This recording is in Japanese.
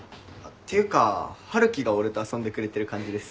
ていうか春樹が俺と遊んでくれてる感じです。